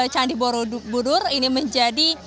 candi borobudur ini menjadi